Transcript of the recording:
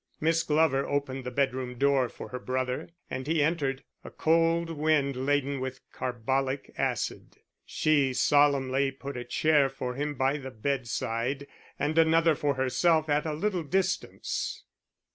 Miss Glover opened the bedroom door for her brother and he entered, a cold wind laden with carbolic acid. She solemnly put a chair for him by the bedside and another for herself at a little distance.